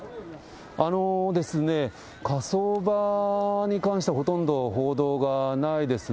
火葬場に関しては、ほとんど報道がないですね。